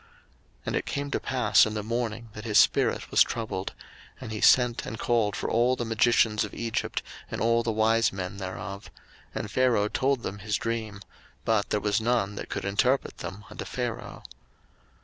01:041:008 And it came to pass in the morning that his spirit was troubled; and he sent and called for all the magicians of Egypt, and all the wise men thereof: and Pharaoh told them his dream; but there was none that could interpret them unto Pharaoh.